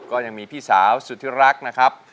ก็ยังมีพี่สาวสุธิรักนะครับ